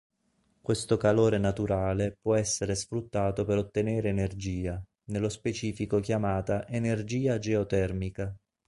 Questo calore naturale può essere sfruttato per ottenere energia, nello specifico chiamata energia geotermica.